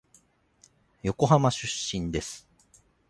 横浜出身です。